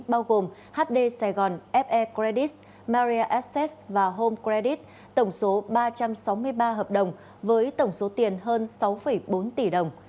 bao gồm hd sài gòn fe credit maria asset và home credit tổng số ba trăm sáu mươi ba hợp đồng với tổng số tiền hơn sáu bốn tỷ đồng